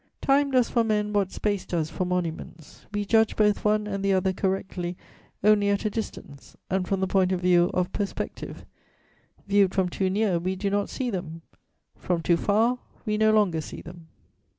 Time does for men what space does for monuments; we judge both one and the other correctly only at a distance and from the point of view of perspective; viewed from too near, we do not see them; from too far, we no longer see them.